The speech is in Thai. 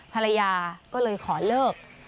ภรรยาก็เลยขอเลิก